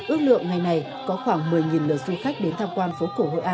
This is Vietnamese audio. ước lượng ngày này có khoảng một mươi lượt du khách đến tham quan phố cổ hội a